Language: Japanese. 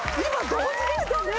同時でしたね！